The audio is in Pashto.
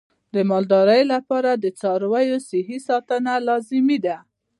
د مالدارۍ لپاره د څارویو صحي ساتنه لازمي ده.